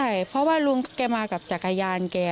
ใช่เพราะว่าลุงแกมากับจักรยานแก